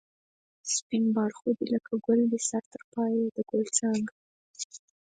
سپین باړخو دی لکه گل دی سر تر پایه د گل څانگه